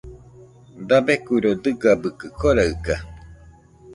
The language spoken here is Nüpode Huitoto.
Dabeikuiro dɨgabɨkɨ koraɨka